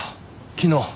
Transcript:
昨日。